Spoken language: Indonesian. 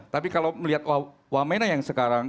tapi kalau melihat wamena yang sekarang